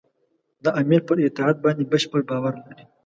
د امیر پر اطاعت باندې بشپړ باور لري.